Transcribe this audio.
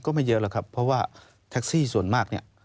ไม่เยอะหรอกครับเพราะว่าแท็กซี่ส่วนมากเนี่ย